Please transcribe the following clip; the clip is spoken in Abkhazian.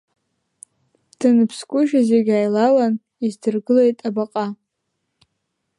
Даныԥсгәышьа, зегь ааилалан, издыргылеит абаҟа.